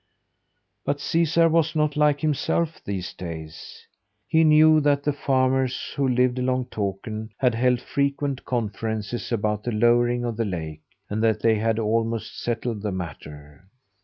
But Caesar was not like himself these days. He knew that the farmers who lived along Takern had held frequent conferences about the lowering of the lake; and that they had almost settled the matter.